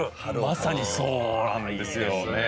まさにそうなんですよね。